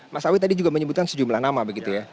mas awi tadi juga menyebutkan sejumlah nama begitu ya